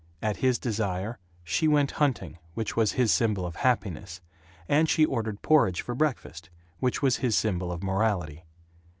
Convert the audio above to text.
At his desire, she went hunting, which was his symbol of happiness, and she ordered porridge for breakfast, which was his symbol of morality.